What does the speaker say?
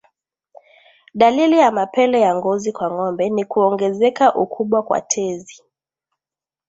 Dalili ya mapele ya ngozi kwa ngombe ni kuongezeka ukubwa kwa tezi